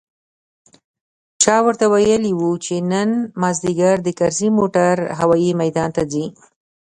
چا ورته ويلي و چې نن مازديګر د کرزي موټر هوايي ميدان ته ځي.